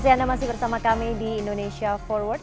terima kasih anda masih bersama kami di indonesia forward